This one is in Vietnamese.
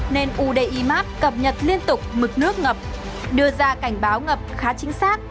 nên udi map cập nhật liên tục mực nước ngập đưa ra cảnh báo ngập khá chính xác